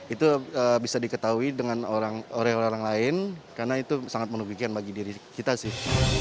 itu bisa diketahui oleh orang lain karena itu sangat menugikkan bagi diri kita sih